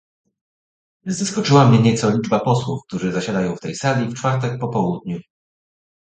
Zaskoczyła mnie nieco liczba posłów, którzy zasiadają w tej sali w czwartek po południu